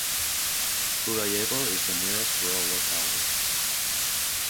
Burayevo is the nearest rural locality.